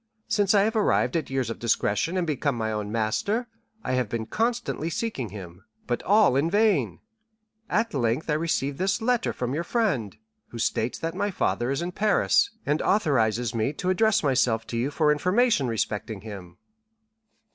Since I have arrived at years of discretion and become my own master, I have been constantly seeking him, but all in vain. At length I received this letter from your friend, which states that my father is in Paris, and authorizes me to address myself to you for information respecting him."